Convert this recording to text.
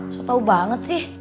so tau banget sih